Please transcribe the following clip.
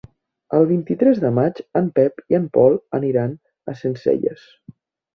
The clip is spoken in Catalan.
El vint-i-tres de maig en Pep i en Pol aniran a Sencelles.